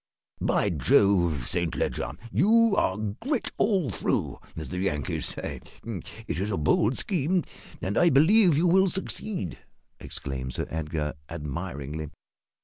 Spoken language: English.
"By Jove, Saint Leger, you are `grit all through,' as the Yankees say. It is a bold scheme, and I believe you will succeed," exclaimed Sir Edgar, admiringly.